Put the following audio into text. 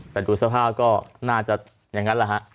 แต่ดูสภาพก็น่าจะอย่างนั้นแหละฮะ